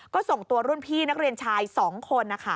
ก็ส่งตัวรุ่นพี่นักเรียนชาย๒คน